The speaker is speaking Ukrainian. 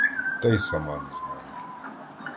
Та й сама не знаю.